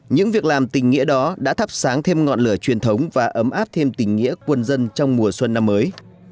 những việc làm tình nghĩa đó đã thắp sáng thêm ngọn lửa truyền thống và ấm áp thêm tình nghĩa quân dân trong mùa xuân năm mới